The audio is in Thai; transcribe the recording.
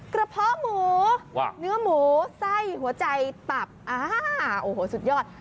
กระเพาะหมูเนื้อหมูไส้หัวใจตับสุดยอด